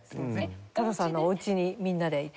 太郎さんのおうちにみんなで行って。